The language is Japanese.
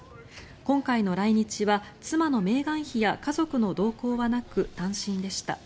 今回の来日は妻のメーガン妃や家族の同行はなく、単身でした。